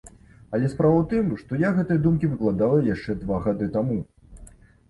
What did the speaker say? Але справа ў тым, што я гэтыя думкі выкладала яшчэ два гады таму.